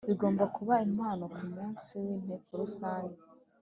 Bigomba kuba impamo kumunsi w Inteko Rusange